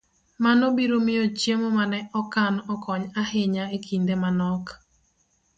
Mano biro miyo chiemo ma ne okan okony ahinya e kinde ma nok